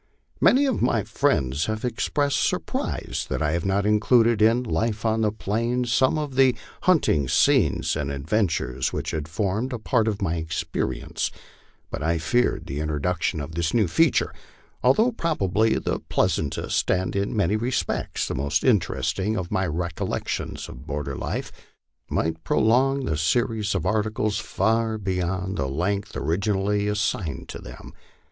Many of my friends have ex pressed surprise that I have not included in " Life on the Plains " some of the hunting scenes and adventures which have formed a part of my experience; but I feared the introduction of this new feature, although probably the pleas antest and in many respects most interesting of my recollections of border life, might prolong the series of articles far beyond the length originally assigned to them.